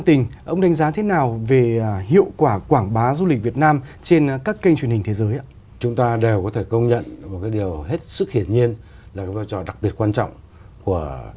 xin chào quý vị và các bạn ngay sau đây chúng ta sẽ cùng đến với một phóng sự